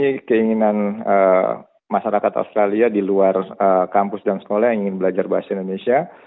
ini keinginan masyarakat australia di luar kampus dan sekolah yang ingin belajar bahasa indonesia